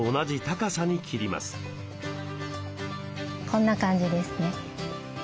こんな感じですね。